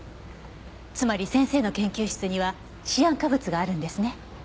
つまり先生の研究室にはシアン化物があるんですね？